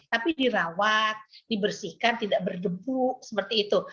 tapi dirawat dibersihkan tidak berdebuk seperti itu